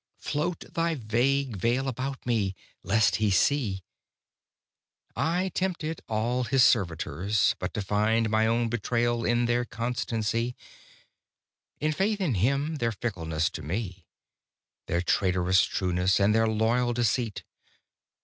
Float thy vague veil about me, lest He see! I tempted all His servitors, but to find My own betrayal in their constancy, In faith to Him their fickleness to me, Their traitorous trueness, and their loyal deceit.